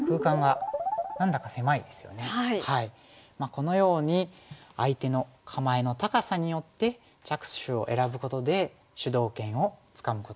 このように相手の構えの高さによって着手を選ぶことで主導権をつかむことができます。